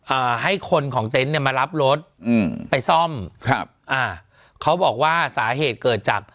อ่าให้คนของเต็นต์เนี้ยมารับรถอืมไปซ่อมครับอ่าเขาบอกว่าสาเหตุเกิดจาก